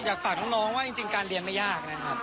พี่ริตผมจะไปฝากน้องว่าการเรียนมันไม่ยากนะครับ